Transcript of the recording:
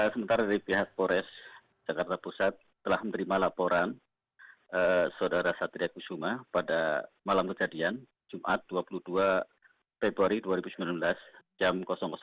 sementara dari pihak polres jakarta pusat telah menerima laporan saudara satria kusuma pada malam kejadian jumat dua puluh dua februari dua ribu sembilan belas jam